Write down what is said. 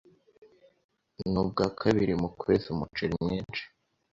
nubwa kabiri mu kweza umuceri mwinshi,